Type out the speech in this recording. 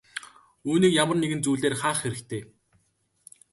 Үүнийг ямар нэгэн зүйлээр хаах хэрэгтэй.